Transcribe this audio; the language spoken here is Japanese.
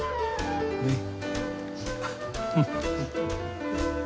ねっ。